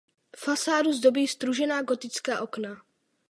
Fasádu zdobí sdružená gotická okna.